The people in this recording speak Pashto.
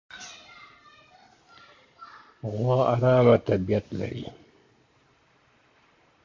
غوا ارامه طبیعت لري.